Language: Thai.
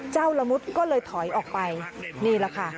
ละมุดก็เลยถอยออกไปนี่แหละค่ะ